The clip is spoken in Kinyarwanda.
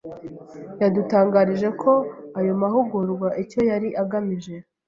Yadutangarije ko ayo mahugurwa icyo yari agamije